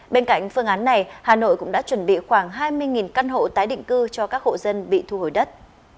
bên cạnh phương án này hà nội cũng đã chuẩn bị khoảng hai mươi căn hộ tái định cư cho các hộ dân bị thu hồi đất